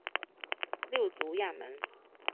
六足亚门。